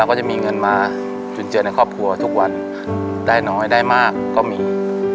ก็มีเงินมาใช้อยู่ข้างบนได้น้อยได้มากก็มี